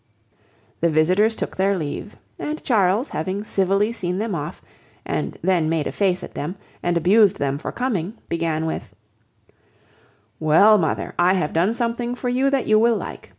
The visitors took their leave; and Charles, having civilly seen them off, and then made a face at them, and abused them for coming, began with— "Well, mother, I have done something for you that you will like.